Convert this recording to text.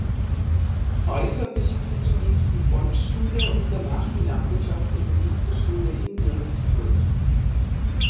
Pfeuffer besuchte zunächst die Volksschule und danach die landwirtschaftliche Winterschule in Würzburg.